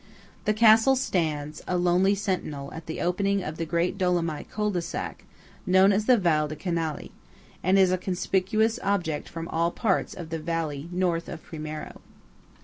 The castle stands, a lonely sentinel, at the opening of the great Dolomite Cul de Sac, known as the Val di Canali, and is a conspicuous object from all parts of the valley North of Primiero.